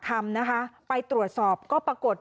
ธรรมนะคะไปตรวจสอบก็ปรากฏ